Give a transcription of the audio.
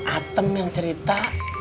atem yang cerita